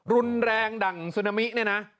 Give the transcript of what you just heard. รุนแรงดั่งซึนามิเนี่ยนะ